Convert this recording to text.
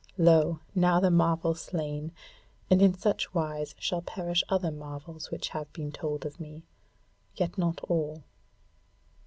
Lo! now the marvel slain: and in such wise shall perish other marvels which have been told of me; yet not all.